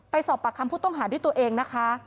สอบปากคำผู้ต้องหาด้วยตัวเองนะคะ